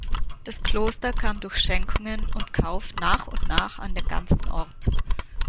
Das Kloster kam durch Schenkungen und Kauf nach und nach an den ganzen Ort.